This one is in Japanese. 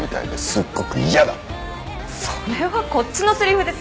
それはこっちのせりふです。